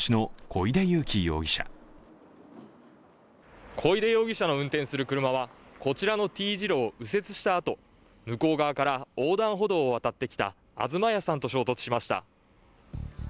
小出容疑者の運転する車は、こちらの丁字路を右折したあと、向こう側から横断歩道を渡ってきた東谷さんと衝突しました。